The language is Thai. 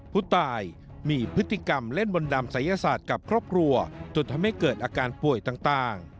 ผู้ตายมีพฤติกรรมเล่นมนต์ดำศัยศาสตร์กับครอบครัวจนทำให้เกิดอาการป่วยต่าง